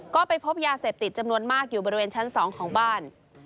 ก็ไปพบยาเสพติดจำนวนมากอยู่บริเวณชั้น๒ของบ้าน